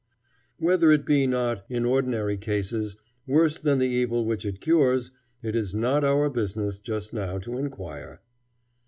Whether it be not, in ordinary cases, worse than the evil which it cures, it is not our business just now to inquire.